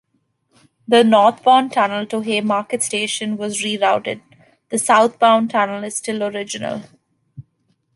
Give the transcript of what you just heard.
The northbound tunnel to Haymarket station was rerouted; the southbound tunnel is still original.